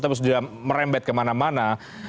tapi sudah merembet kemana mana